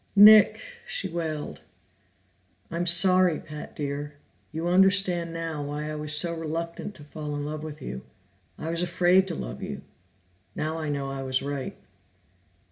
"Nick!" she wailed. "I'm sorry, Pat dear. You understand now why I was so reluctant to fall in love with you. I was afraid to love you; now I know I was right."